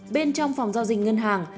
bên trong phòng giao dịch ngân hàng